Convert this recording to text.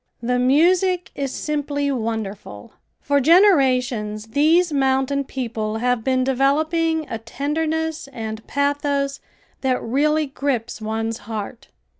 The music is simply wonderful. For generations these mountain people have been developing a tenderness and pathos that really grips one's heart.